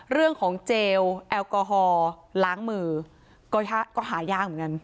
ของเจลแอลกอฮอล์ล้างมือก็หายากเหมือนกัน